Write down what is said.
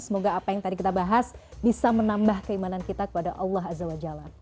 semoga apa yang tadi kita bahas bisa menambah keimanan kita kepada allah azawajal